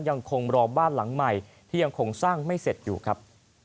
ยังคงรอบ้านหลังใหม่ที่ยังคงสร้างไม่เสร็จอยู่ครับ